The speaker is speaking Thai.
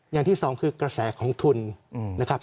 อย่างที่สองคือกระแสของทุนนะครับ